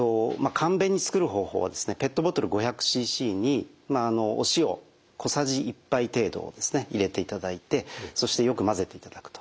簡便に作る方法はペットボトル５００ｃｃにお塩小さじ１杯程度を入れていただいてそしてよく混ぜていただくと。